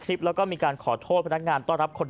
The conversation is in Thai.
และมีการขอโทษผู้นักงานต้อนรับ